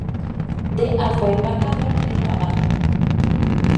De a fue embajador en Rabat.